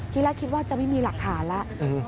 ทีแรกคิดว่าจะไม่มีหลักฐานแล้ว